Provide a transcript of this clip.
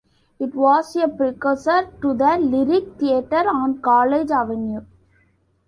It was a precursor to the Lyric Theatre on College Avenue.